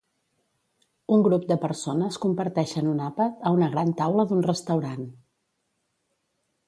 Un grup de persones comparteixen un àpat a una gran taula d'un restaurant.